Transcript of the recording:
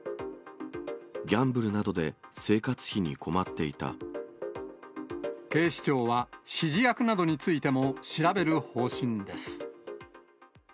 ギャンブルなどで生活費に困警視庁は指示役などについても調べる方針です。